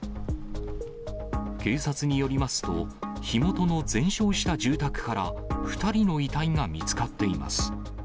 警察によりますと、火元の全焼した住宅から２人の遺体が見つかっています。